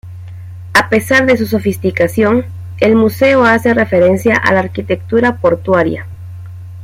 A pesar de su sofisticación, el museo hace referencia a la arquitectura portuaria.